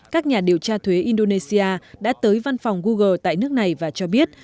các nhà điều tra thuế indonesia đã tới văn phòng google tại nước này và cho biết